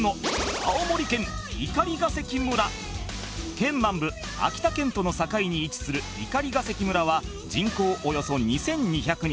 県南部秋田県との境に位置する碇ヶ関村は人口およそ２２００人